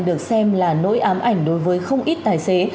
được xem là nỗi ám ảnh đối với không ít tài xế